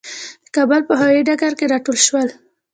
د کابل په هوايي ډګر کې راټول شولو.